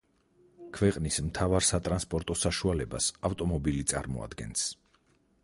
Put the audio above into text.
ქვეყნის მთავარ სატრანსპორტო საშუალებას ავტომობილი წარმოადგენს.